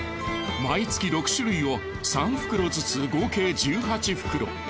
毎月６種類を３袋ずつ合計１８袋。